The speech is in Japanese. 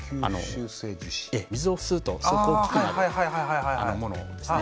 水を吸うとすごく大きくなるものですね。